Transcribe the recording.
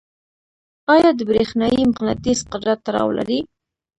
آیا د برېښنايي مقناطیس قدرت تړاو لري؟